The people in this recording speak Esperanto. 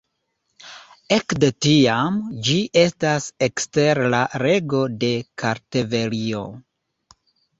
Ekde tiam, ĝi estas ekster la rego de Kartvelio.